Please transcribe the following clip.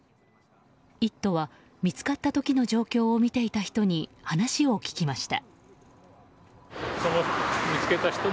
「イット！」は見つかった時の状況を見ていた人に話を聞きました。